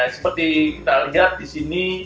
seperti kita lihat disini